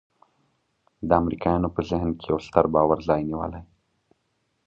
د امریکایانو په ذهن کې یو ستر باور ځای نیولی.